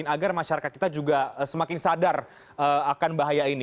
agar masyarakat kita juga semakin sadar akan bahaya ini